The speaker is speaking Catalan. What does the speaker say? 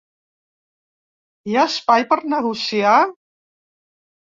Hi ha espai per negociar?